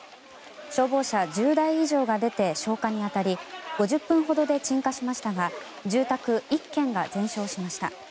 消防車１０台以上が出て消火に当たり５０分ほどで鎮火しましたが住宅１軒が全焼しました。